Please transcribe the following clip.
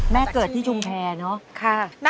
แม่เกิดที่ชุมแพลเนาะ